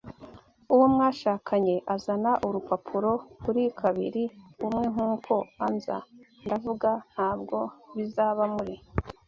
uwo mwashakanye azana urupapuro kuri kabili - umwe nkuko anzi, ndavuga - ntabwo bizaba muri